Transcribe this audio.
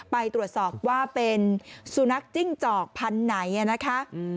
ไปตรวจสอบว่าเป็นสุนัขจิ้งจอกพันธุ์ไหนนะคะ